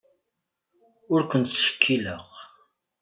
Ur ken-ttcekkileɣ.